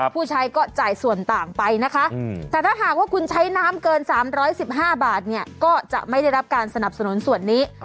ผู้ใช้ก็จ่ายส่วนต่างไปนะคะแต่ถ้าหากว่าคุณใช้น้ำเกิน๓๑๕บาทเนี่ยก็จะไม่ได้รับการสนับสนุนส่วนนี้